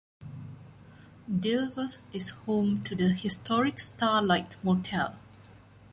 Dilworth is home to the historic Star Lite Motel.